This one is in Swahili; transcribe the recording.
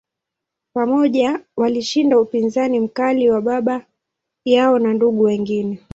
Pamoja, walishinda upinzani mkali wa baba yao na ndugu wengine.